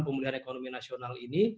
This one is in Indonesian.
pemulihan ekonomi nasional ini